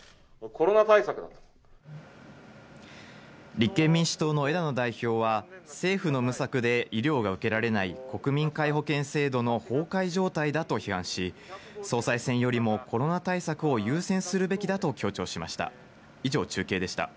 立憲民主党の枝野代表は、政府の無策で医療が受けられない国民皆保険制度の崩壊状態だと批判し、総裁選よりもコロナ対策を優先するべきだと強調しました。